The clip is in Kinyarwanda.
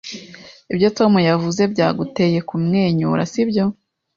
Ibyo Tom yavuze byaguteye kumwenyura, sibyo?